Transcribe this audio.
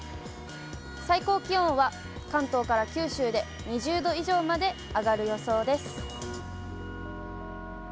最高気温は関東から九州で２０度以上まで上がる予想です。